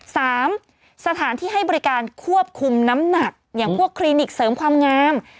สถานที่ให้บริการควบคุมน้ำหนักอย่างพวกคลินิกเสริมความงาม